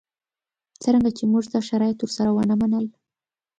څرنګه چې موږ دا شرایط ورسره ونه منل.